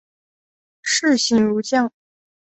士行如将。